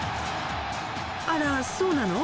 あらそうなの？